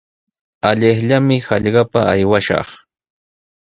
Allaqllami hallqapa aywashaq.